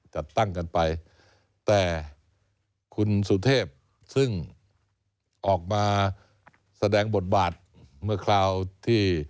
จัดตั้งกันไปแต่คุณสุเทพซึ่งออกมาแสดงบทบาทเมื่อคราวที่